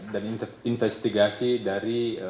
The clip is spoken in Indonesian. dan investigasi dari